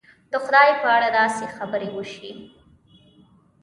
د خدای په اړه داسې خبرې وشي.